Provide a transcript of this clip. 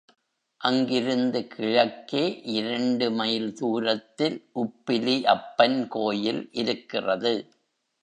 அங்கிருந்து கிழக்கே இரண்டு மைல் தூரத்தில் உப்பிலி அப்பன் கோயில் இருக்கிறது.